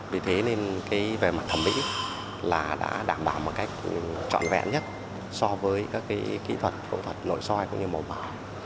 vì thế nên về mặt thẩm mỹ là đã đảm bảo một cách trọn vẹn nhất so với các kỹ thuật phẫu thuật nội soi cũng như màu mảng